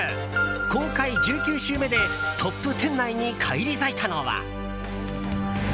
公開１９週目でトップ１０圏内に返り咲いたのは。